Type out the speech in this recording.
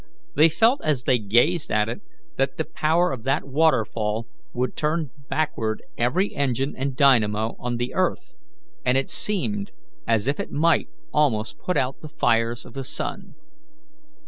They felt, as they gazed at it, that the power of that waterfall would turn backward every engine and dynamo on the earth, and it seemed as if it might almost put out the fires of the sun.